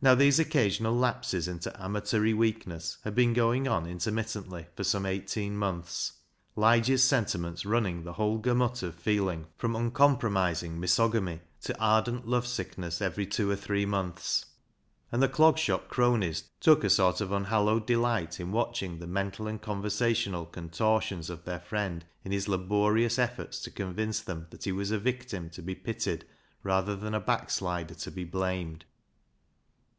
Now, these occasional lapses into amatory weakness had been going on intermittently for some eighteen months, Lige's sentiments running the whole gamut of feeling from uncompromis ing misogamy to ardent love sickness every two or three months. And the Clog Shop cronies LIGE'S LEGACY 147 took a sort of unhallowed delight in watching the mental and conversational contortions of their friend in his laborious efforts to convince them that he was a victim to be pitied rather than a backslider to be blamed.